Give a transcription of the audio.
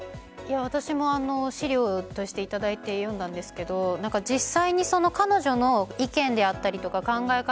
私も資料として頂いて読んだんですが実際に彼女の意見であったりとか考え方